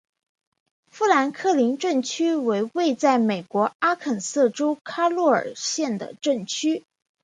富兰克林镇区为位在美国阿肯色州卡洛尔县的镇区。